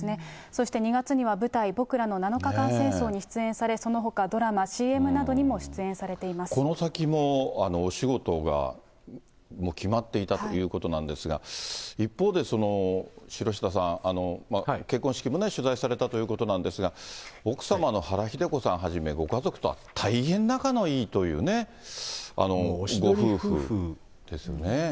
そして２月には舞台、ぼくらの七日間戦争に出演され、そのほか、ドラマ、ＣＭなどにもこの先もお仕事が決まっていたということなんですが、一方で、城下さん、結婚式も取材されたということなんですが、奥様の原日出子さんはじめ、ご家族とは大変仲のいいという、ご夫婦ですよね。